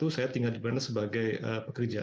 saya tinggal di mana sebagai pekerja